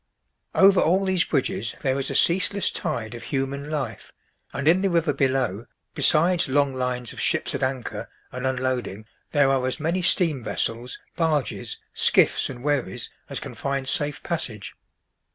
Over all these bridges there is a ceaseless tide of human life, and in the river below, besides long lines of ships at anchor and unloading, there are as many steam vessels, barges, skiffs, and wherries as can find safe passage.